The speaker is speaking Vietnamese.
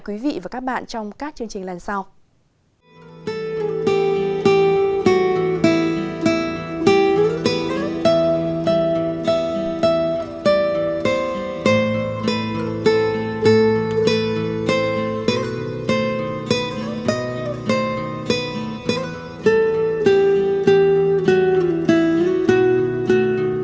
hẹn gặp lại